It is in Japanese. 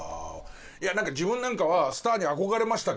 なんか自分なんかはスターに憧れましたけど